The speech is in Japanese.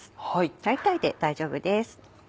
大体で大丈夫です。